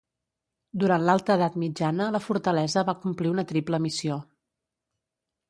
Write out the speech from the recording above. Durant l'alta Edat Mitjana la fortalesa va complir una triple missió.